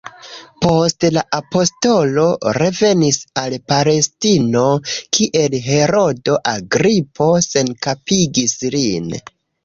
Poste la apostolo revenis al Palestino, kie Herodo Agripo senkapigis lin.